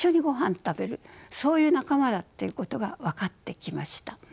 そういう仲間だっていうことが分かってきました。